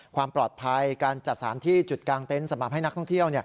ความปลอดภัยการจัดสารที่จุดกลางเต็นต์สำหรับให้นักท่องเที่ยว